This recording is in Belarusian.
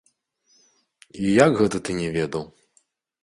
І як гэта ты не ведаў?